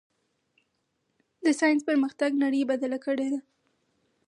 د ساینس پرمختګ نړۍ بدله کړې ده.